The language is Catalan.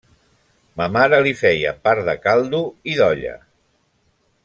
Ma mare li feia part de caldo i d’olla.